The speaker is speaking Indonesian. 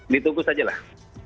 ditunggu saja lah